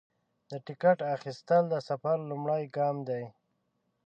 د ټکټ اخیستل د سفر لومړی ګام دی.